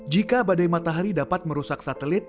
jika badai matahari dapat merusak satelit